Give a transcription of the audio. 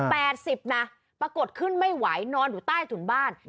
๘๐ปรากฏขึ้นไม่ไหวนอนอยู่ใต้ถุนบ้าน